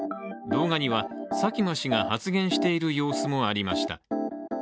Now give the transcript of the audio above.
動画には佐喜眞氏が発言している様子もありました。